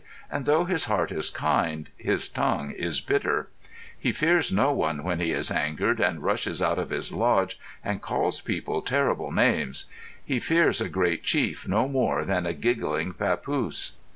"And though his heart is kind, his tongue is bitter. He fears no one when he is angered, and rushes out of his lodge and calls people terrible names. He fears a great chief no more than a giggling papoose."